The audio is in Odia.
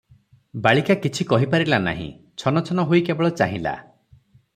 ବାଳିକା କିଛି କହିପାରିଲା ନାହିଁ- ଛନ ଛନ ହୋଇ କେବଳ ଚାହିଁଲା ।